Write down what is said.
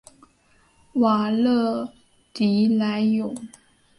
瓦勒迪莱永。